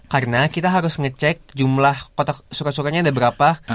karena kita harus ngecek jumlah kotak surat suratnya ada berapa